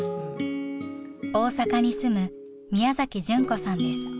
大阪に住む宮純子さんです。